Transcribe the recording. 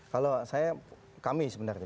kalau saya kami sebenarnya